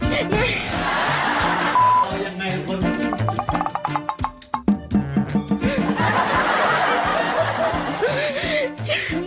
เฮ้ยยังไงทุกคน